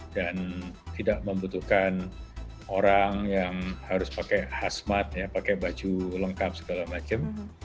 dan tidak membutuhkan orang yang harus pakai khas mat pakai baju lengkap segala macam